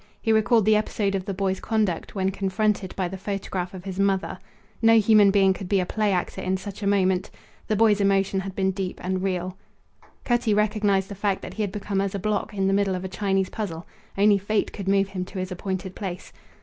He recalled the episode of the boy's conduct when confronted by the photograph of his mother. No human being could be a play actor in such a moment. The boy's emotion had been deep and real. Cutty recognized the fact that he had become as a block in the middle of a Chinese puzzle; only Fate could move him to his appointed place.